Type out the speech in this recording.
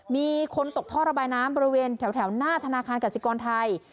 มีคนตกท่อระบายน้ำบริเวณแถวหน้าธนาคารกสิกรไทย